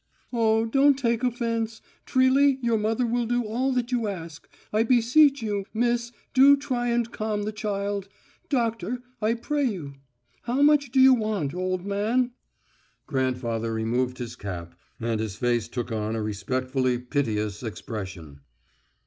Oh, don't take offence! Trilly, your mother will do all that you ask. I beseech you, miss, do try and calm the child.... Doctor, I pray you. ... How much d'you want, old man?" Grandfather removed his cap, and his face took on a respectfully piteous expression.